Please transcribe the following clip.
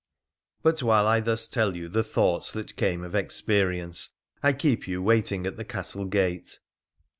But while I thus tell you the thoughts that came of experience, I keep you waiting at the castle gate.